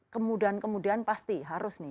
kemudahan kemudian pasti harus nih